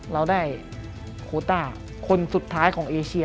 เราได้โคต้าคนสุดท้ายของเอเชีย